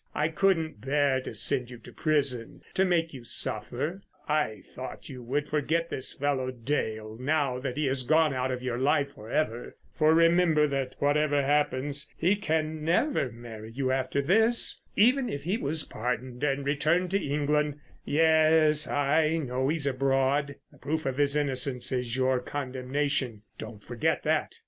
I couldn't bear to send you to prison, to make you suffer. I thought you would forget this fellow Dale, now that he has gone out of your life for ever. For remember, that whatever happens, he can never marry you after this. Even if he was pardoned and returned to England—yes, I know he's abroad—the proof of his innocence is your condemnation, don't forget that!